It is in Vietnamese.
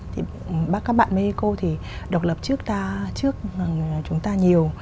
thì các bạn mấy cô thì độc lập trước ta trước chúng ta nhiều